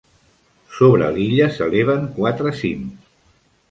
Sobre l'illa s'eleven quatre cims.